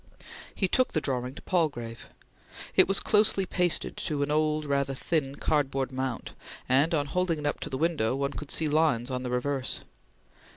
He took the drawing to Palgrave. It was closely pasted to an old, rather thin, cardboard mount, and, on holding it up to the window, one could see lines on the reverse.